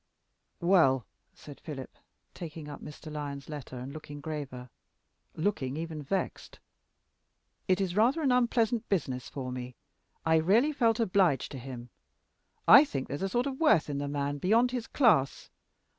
"Well," said Philip, taking up Mr. Lyon's letter and looking graver looking even vexed, "it is rather an unpleasant business for me. I really felt obliged to him. I think there's a sort of worth in the man beyond his class.